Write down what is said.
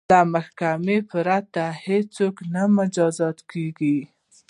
له محاکمې پرته هیڅوک نه مجازات کیږي.